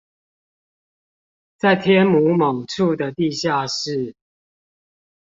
在天母某處的地下室